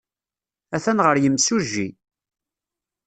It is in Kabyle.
Atan ɣer yimsujji.